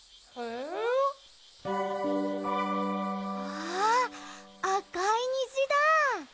ああかいにじだ。